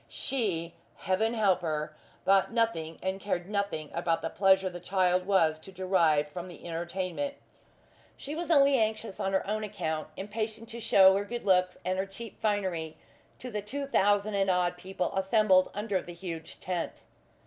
She Heaven help her! thought nothing and cared nothing about the pleasure the child was to derive from the entertainment. She was only anxious on her own account; impatient to shew her good looks and her cheap finery to the two thousand and odd people assembled under the huge tent.